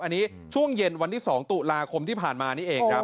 อันนี้ช่วงเย็นวันที่๒ตุลาคมที่ผ่านมานี่เองครับ